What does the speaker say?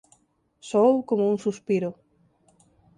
Soou como un suspiro.